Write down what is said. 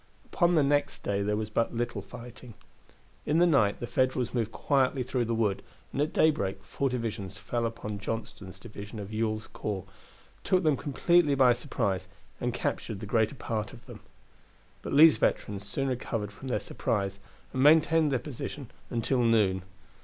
Upon the next day there was but little fighting. In the night the Federals moved quietly through the wood, and at daybreak four divisions fell upon Johnston's division of Ewell's corps, took them completely by surprise, and captured the greater part of them. But Lee's veterans soon recovered from their surprise and maintained their position until noon.